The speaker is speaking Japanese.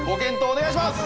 お願いします！